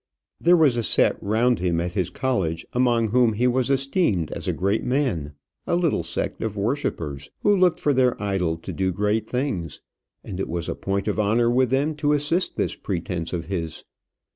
There was a set round him at his college among whom he was esteemed as a great man a little sect of worshippers, who looked for their idol to do great things; and it was a point of honour with them to assist this pretence of his.